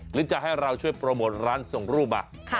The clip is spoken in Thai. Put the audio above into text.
หรือจะให้เราช่วยโปรโมทร้านส่งรูป